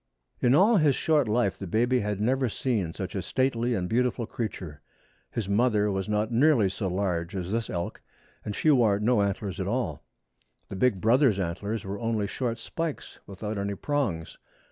In all his short life the baby had never seen such a stately and beautiful creature. His mother was not nearly so large as this elk, and she wore no antlers at all. The big brother's antlers were only short spikes without any prongs.